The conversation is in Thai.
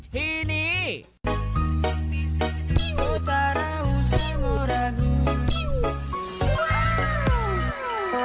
ถ้าให้ใช้วิธีนี้เนี่ยกี่ปีจะปอกเสร็จแล้วครับเนี่ยปะทูหูหู